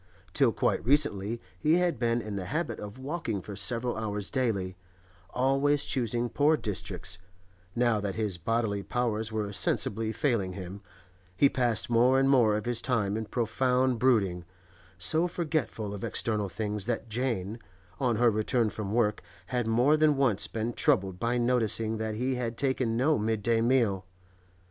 Till quite recently he had been in the habit of walking for several hours daily, always choosing poor districts; now that his bodily powers were sensibly failing him, he passed more and more of his time in profound brooding, so forgetful of external things that Jane, on her return from work, had more than once been troubled by noticing that he had taken no midday meal.